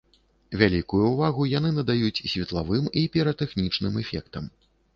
Вялікую ўвагу яны надаюць светлавым і піратэхнічным эфектам.